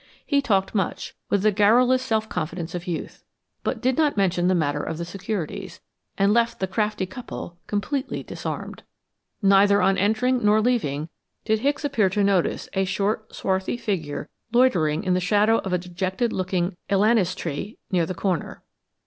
He talked much, with the garrulous self confidence of youth, but did not mention the matter of the securities, and left the crafty couple completely disarmed. Neither on entering nor leaving did Hicks appear to notice a short, swarthy figure loitering in the shadow of a dejected looking ailanthus tree near the corner.